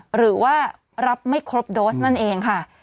หรือว่ารับไม่ครบโดสนั่นเองค่ะ